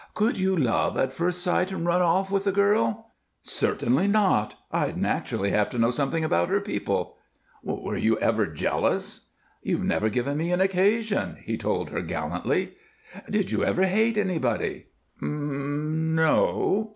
"Could you love at first sight and run off with a girl?" "Certainly not. I'd naturally have to know something about her people " "Were you ever jealous?" "You've never given me an occasion," he told her, gallantly. "Did you ever hate anybody?" "Um m no!"